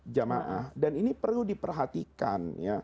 jamaah dan ini perlu diperhatikan